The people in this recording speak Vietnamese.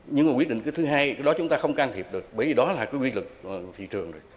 nhưng mà quyết định thứ hai đó chúng ta không can thiệp được bởi vì đó là quy luật thị trường